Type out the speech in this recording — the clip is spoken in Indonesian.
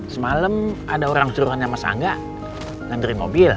semalam ada orang suruhannya mas angga ngeri mobil